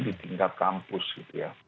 di tingkat kampus gitu ya